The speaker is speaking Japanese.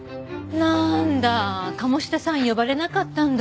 なんだ鴨志田さん呼ばれなかったんだ。